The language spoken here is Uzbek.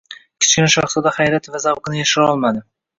Kichkina shahzoda hayrat va zavqini yashirolmadi: